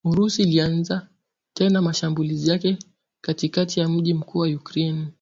Urusi ilianza tena mashambulizi yake kati kati ya mji mkuu wa Ukraine